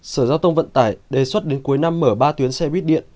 sở giao thông vận tải đề xuất đến cuối năm mở ba tuyến xe buýt điện